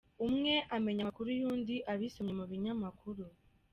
Umwe amenya amakuru y’undi abisomye mu binyamakuru.